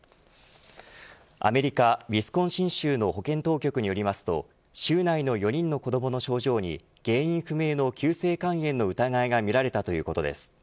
アメリカ、ウィスコンシン州の保健当局によりますと州内の４人の子どもの症状に原因不明の急性肝炎の疑いが見られたということです。